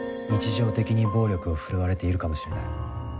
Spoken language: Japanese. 日常的に暴力を振るわれているかもしれない。